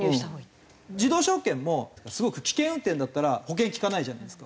自動車保険もすごく危険運転だったら保険利かないじゃないですか。